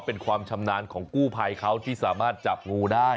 เป็นความชำนาญของกู้ภัยเขาที่สามารถจับงูได้